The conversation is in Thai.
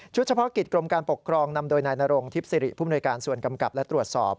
เฉพาะกิจกรมการปกครองนำโดยนายนรงทิพย์สิริภูมิในการส่วนกำกับและตรวจสอบ